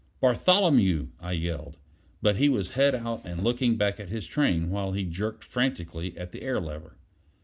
"Bartholomew!" I yelled; but he was head out and looking back at his train while he jerked frantically at the air lever.